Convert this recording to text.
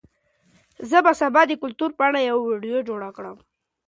زه به سبا د کلتور په اړه یوه ویډیو جوړه کړم.